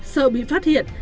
sợ bị phát hiện